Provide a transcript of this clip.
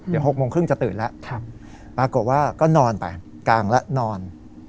เดี๋ยว๖โมงครึ่งจะตื่นแล้วปรากฏว่าก็นอนไปกลางแล้วนอน